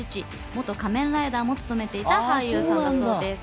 元仮面ライダーも務めていた俳優さんです。